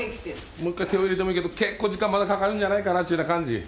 もう一回手を入れてもいいけど結構時間まだかかるんじゃないかなっちゅうな感じ。